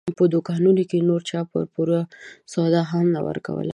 په دوکانونو کې نور چا په پور سودا هم نه ورکوله.